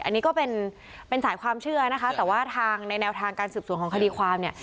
อันนี้ก็เป็นสายความเชื่อนะคะแต่ว่าทางในแนวทางการสืบสวนของคดีความเนี่ย